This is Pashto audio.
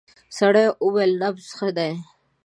سړی وویل نبض ښه دی.